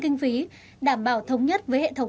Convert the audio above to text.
kinh phí đảm bảo thống nhất với hệ thống